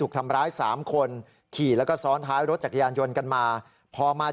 ทำร้ายสามคนขี่แล้วก็ซ้อนท้ายรถจักรยานยนต์กันมาพอมา